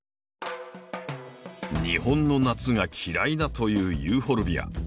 日本の夏が嫌いだというユーフォルビア。